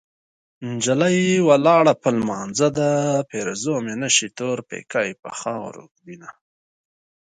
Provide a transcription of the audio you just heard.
نجلۍ ولاړه په لمانځه ده پېرزو مې نشي تور پيکی په خاورو ږدينه